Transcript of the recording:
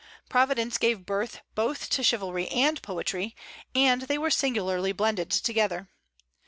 Provence gave birth both to chivalry and poetry, and they were singularly blended together.